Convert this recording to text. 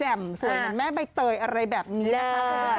สวยเหมือนแม่ใบเตยอะไรแบบนี้นะคะ